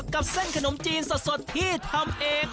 กับเส้นขนมจีนสดที่ทำเอง